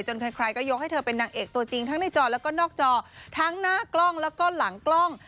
ใครก็ยกให้เธอเป็นนางเอกตัวจริงทั้งในจอแล้วก็นอกจอทั้งหน้ากล้องแล้วก็หลังกล้อง